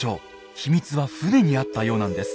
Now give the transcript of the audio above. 秘密は船にあったようなんです。